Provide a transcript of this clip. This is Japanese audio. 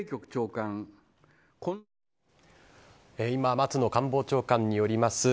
今、松野官房長官によります